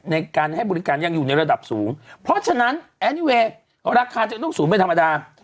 ในการให้บริการยังอยู่ในระดับสูงเพราะฉะนั้นแอนิเวย์ราคาจะต้องสูงไม่ธรรมดา